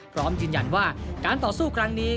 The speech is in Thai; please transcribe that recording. พร้อมยืนยันว่าการต่อสู้ครั้งนี้